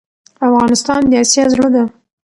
افغانستان دي اسيا زړه ده